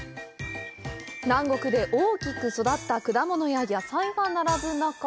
南国で大きく育った果物や野菜が並ぶ中